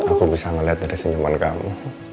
aku bisa melihat dari senyuman kamu